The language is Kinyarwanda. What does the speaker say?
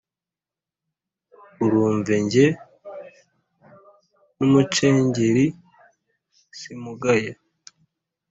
urumve jye n’umucengeli simugaya